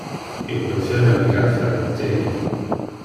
Io prefere le caffe al the.